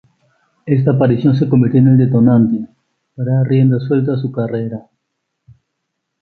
Esta aparición se convirtió en el detonante para dar rienda suelta a su carrera.